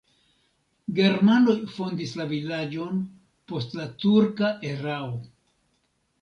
Germanoj fondis la vilaĝon post la turka erao.